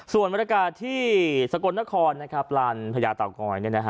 ส่วนบรรยากาศที่สกลนครลานพญาเตางอย